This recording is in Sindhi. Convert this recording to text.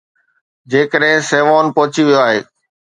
جيڪڏهن Savon پهچي ويو آهي.